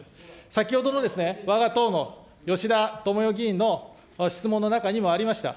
先ほどのですね、わが党の吉田とも代議員の質問の中にもありました。